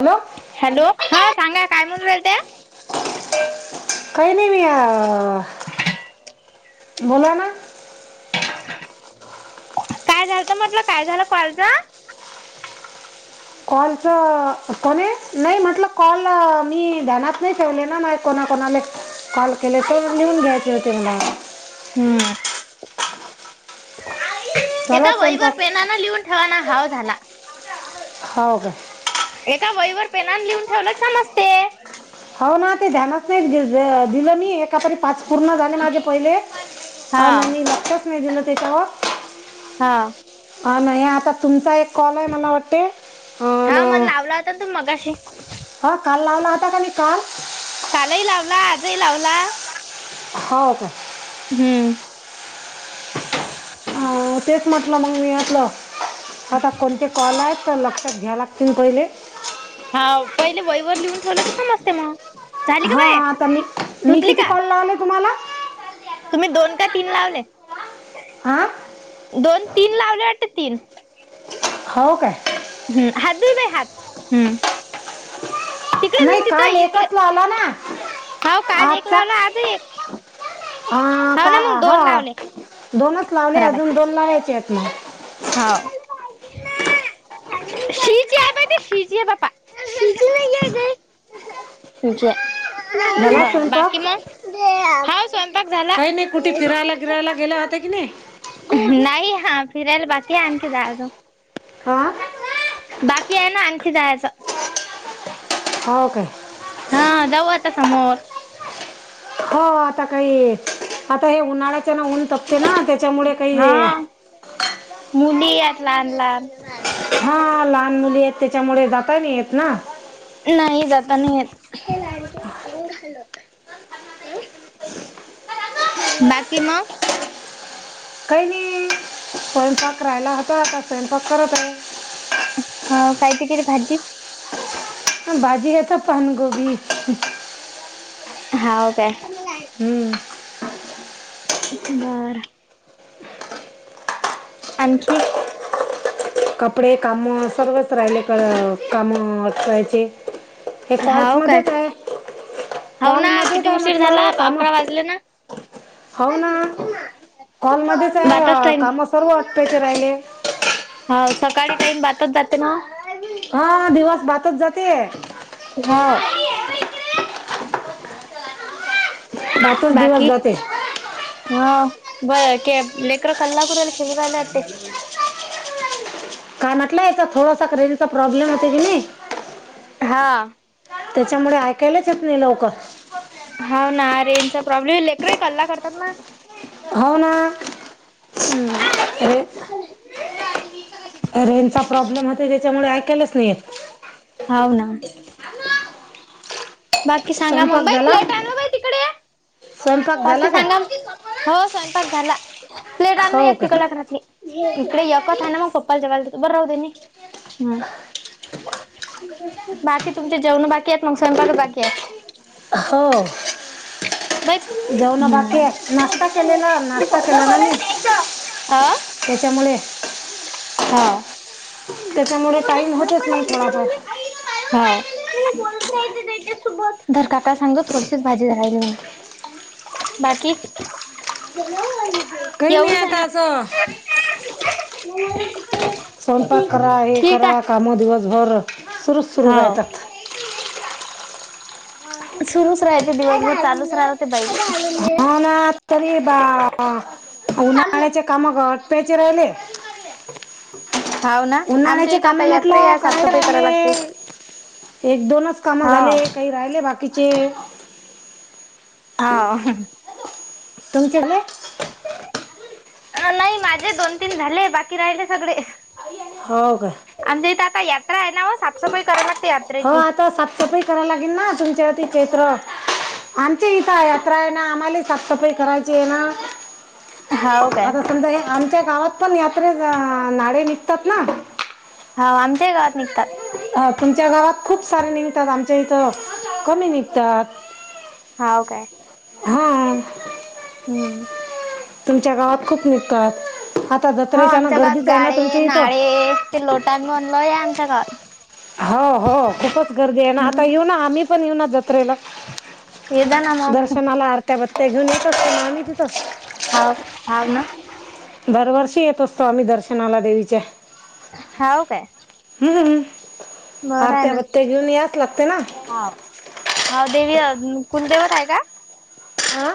Hello hello, हा सांगा काय म्हणून राहिल्या? काही नाही मी अ, बोला ना. काय झालतं म्हटलं, काय झालं कॉलचं? कॉलच, कोणे नाही म्हटलं, कॉल मी ध्यनात नाही ठेवलेला ना माय कोणा कोणाले कॉल केले ते लिहून घ्यायचे होते मला. हम्म झाला एका वहीवर स्वयंपाक पेनान लिहून ठेवा ना, हाव झाला. हाव काय? एका वहीवर पेनान लिहून ठेवलं समजते. [inaudible] हाव ना ते ध्यानात नाही दि दिलं मी एका तरी पाच पूर्ण झाले माझे पहिले हा आणि मी लक्षचं नाही दिलं त्यांच्यावर हा. हा ना ही आता तुमचा एक कॉल आहे मला वाटते अ न तर तु मगाशी हो काल लावला होता ना मी कॉल. कालही लावला आजही लावला. हो काय? हम्म. हा तेच म्हटलं मग मी यातलं आता कोणते कॉल आहेत तर लक्षात घ्या लागतील पहिले. हा पहिले वहीवर लिहून ठेवलं की समजते म‌ग. हा आता मी, मी किती का कॉल लावले तुम्हाला? तुम्ही दोन का तीन लावले? हा दोन तीन लावले वाटते तीन? हो काय? हम्म हात धु बे हात हम्म. [inaudible] नाही तिथं काल इकडे एकच लावला ना. हाव काल एक लाव ना आज एक. आ हाव का ना मग हा दोन लावले दोनच लावले खराब अजून आहे दोन आहेत ना. हाव. [unintelligible] [unintelligible] झाला स्वयंपाक स्वयंपाक झाला. काही नाही कुठे फिरायला गिरायला गेला होता की नाही नाही हा फिरायला बाकी आणखी आणते अजुन. हा बाकी आहे ना आणखी जायाच. [unintelligible] हा जाऊ आता समोर. हो आता काही आता हे उन्हाळ्याच्या ना ऊन तपते ना त्यांच्यामुळे काही. हा मुली यात लहान लहान हा लहान मुली आहेत. त्यांच्यामुळे जाता नाही येत ना. नाही जाता नाही येत. बाकी म. काही नाही स्वयंपाक राहायला होतो आता स्वयंपाक करत आहे. हो कायची केली भाजी. भाजी आता पानकोबी. हाव काय. हम्म. बरं. आणखी. कपडे काम सर्वच राहिले क काम करायचे‌. हे कॉल्स हाव काय मध्येच आहे‌. हाव ना कॉलमध्ये च किती आहे उशीर झाला म्हटलं काम. अकरा वाजले ना. हो ना कॉलमध्येच आहे. बातच टाईम काम सर्व अटपायचे राहिले. हो सकाळी टाईम बातत जाते ना. हा दिवस बातच जाते. हा. बातच दिवस बाकी जाते. हा ब के लेकर्र कलकुरल खेलला अटे. कानातल्याचा याचा थोडसा क्रेन चा प्रॉब्लेम होते की नाही. हा. त्याच्यामुळे ऐकायलाच येत नाही लवकर. हाव ना रेजचा प्रॉब्लेम लेकरे कल्ला करतात ना. हो ना. अरे [unintelligible] रेंजचा प्रॉब्लेम होता त्याच्यामुळे ऐकालाच नाही येत. हाव ना. बाकी सांगा मग स्वयंपाक बाई झाला प्लेट आहे ना बाई तिकडे. स्वयंपाक बाकी झाला काय सांगा हो स्वयंपाक झाला. प्लेट आना हो एक का तिकडल्या घरातली. इकडे एकच आहे ना मग पप्पाला जेवायलादेतो. बरं राहू दे न्हे. बाकी तुमचे जेवण बाकी आहेत मग स्वयंपाक बाकी. आहेत. हो. बाई जेवण बाकीये नाश्ता केलेला नाश्ता केला ना मी आ. त्याच्यामुळे हा. त्याच्यामुळे टाईम होतेच मंग थोडफार हा. धर, काका सांग जा थोडीशीच भाजी राहिली म्हणा. बाकी काही नाही ऐवढीच आहे आता ना असं स्वयंपाक करा हे ठीक करा आहे. कामं दिवसभर सुरूच सुरू हाव राहीतात. सुरूच राहायचे दिवसभर चालूच राहिल ते पाहीजे. हो ना तरी बा आ उन्हाळ्याच्या काम ग आटपायचे राहिले. हाव ना आमच्या उन्हाळ्याचे इथं काम आता यात्रा म्हटलं आहे करायला साफसफाई करावी लागते राहिले. एक दोनच काम हाव. झाले काही राहिले बाकीचे हा. तुमच्याकडे? अ नाही माझे दोन, तीन झाले बाकी राहिले सगळे हो काय. आमच्या इथे आता यात्रा आहे नाव्ह साफसफाई करायला लागत हो आता साफसफाई कराला लागेना तुमच्यावरती चैत्र आमच्या इथं यात्रा आहे ना आम्हाला साफसफाई करायची आहे ना. हाव काय आता समजा आमच्या गावात पण यात्रेत अ नावे निघतात ना हाव आमच्या ही गावात निघतात. अ तुमच्या गावात खूप सारे निंगतात आमच्या इथं कमी निघतात. हाव काय. हो. हम्म. तुमच्या गावात खूप निघतात, आता हा जत्रेच्या ना आमच्या गावात गर्दीच आहे ना गाळे तुमच्या इथं नाळे ते लोटांगण लय आहे आमच्यां गावांत हो हो खूपच गर्दी आहे ना आता हम्म. येऊ ना आम्ही पण येऊना जत्रेला. ये जा ना मग. दर्शनाला आरत्या बत्त्या घेऊन येत असतो ना आम्ही तिथ हाव हाव ना. दरवर्षी येत असतो आम्ही दर्शनाला देवीच्या हाव काय. हम्म, बरं आहे आरत्या ना. बत्त्या घेऊन याच लागते ना हाव. हाव देवी अ कुलदेवत आहे का? आ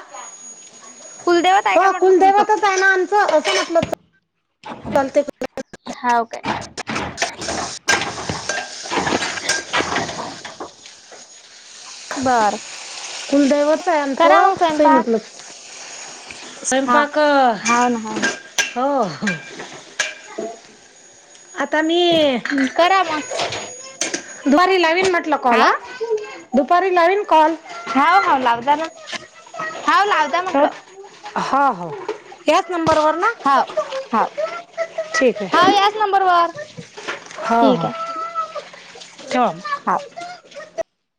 कुलदैवत आहे का हो म्हटलं तुमचं? कुलदैवतच आहे ना आमचं असं म्हटल [unintelligible] हाव काय. बर. कुलदैवत स्वयंपाक. हा. स्वयंपाक हाव ना हाव ना. हो, आता मी करां मगं दुपारी लावीन म्हटलं कॉल हा दुपारी लावीन कॉल हाव हाव लावजा ना, हाव लाव [unintelligible] हो हो ह्याच नंबरवर ना? ठीक हा आहे यास नंबरवर, हो ठीक हो आहे. ठेवा मग. हाव.